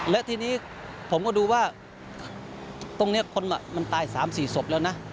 และทีนี้ผมก็ดูว่าตรงนี้คนมันตาย๓๔ศพแล้วนะ